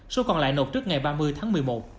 số còn lại nộp trước ngày ba mươi tháng một mươi một